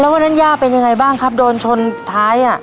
วันนั้นย่าเป็นยังไงบ้างครับโดนชนท้าย